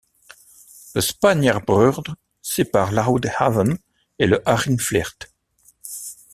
Le Spaanjardbrug sépare l'Oude Haven et le Haringvliet.